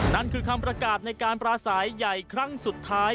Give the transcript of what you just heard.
นั่นคือคำประกาศในการปราศัยใหญ่ครั้งสุดท้าย